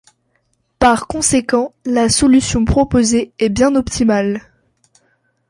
Par conséquent, la solution proposée est bien optimale.